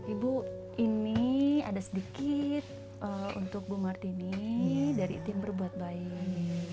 ibu ini ada sedikit untuk bu martini dari tim berbuat baik